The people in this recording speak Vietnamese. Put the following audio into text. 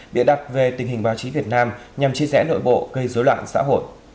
bịa đặt về tình hình báo chí việt nam nhằm chia rẽ nội bộ gây dối loạn xã hội